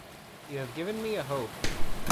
You have given me a hope.